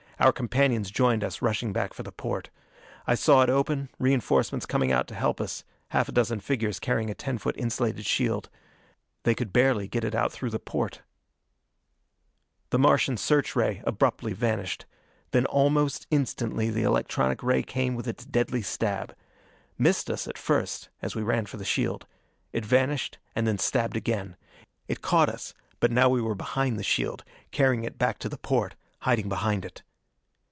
Our companions joined us, rushing back for the porte. I saw it open, reinforcements coming out to help us half a dozen figures carrying a ten foot insulated shield. They could barely get it out through the porte. The Martian search ray abruptly vanished. Then almost instantly the electronic ray came with its deadly stab. Missed us at first, as we ran for the shield. It vanished, and stabbed again. It caught us, but now we were behind the shield, carrying it back to the porte, hiding behind it.